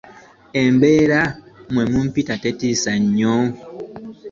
Embeera mwe mpita tetiisa nnyo.